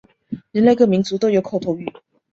人类各民族都有口头语。